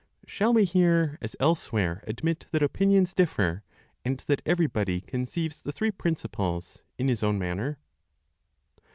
Shall we here, as elsewhere, admit that opinions differ, and that everybody conceives the three principles in his own manner?